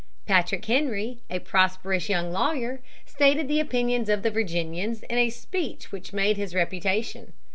Patrick Henry, a prosperous young lawyer, stated the opinions of the Virginians in a speech which made his reputation.